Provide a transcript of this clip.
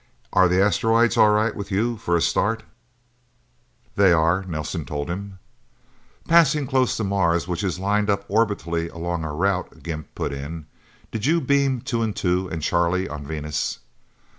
"Are the asteroids all right with you for a start?" "They are," Nelsen told him. "Passing close to Mars, which is lined up orbitally along our route," Gimp put in. "Did you beam Two and Two and Charlie on Venus?"